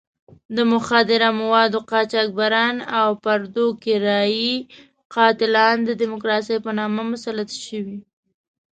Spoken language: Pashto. د مخدره موادو قاچاقبران او پردو کرایي قاتلان د ډیموکراسۍ په نامه مسلط شوي.